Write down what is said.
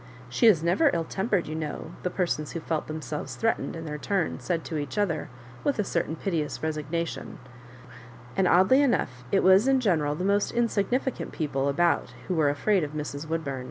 "She is never ill tempered, you know," the persons who felt themselves threatened in their turn said to each other with a certain piteous resignation ; and oddly enough it was in general the most insignificant people about who were afraid of Mrs. Woodbum.